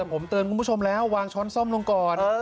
ผมเตือนคุณผู้ชมแล้ววางช้อนซ่อมลงก่อน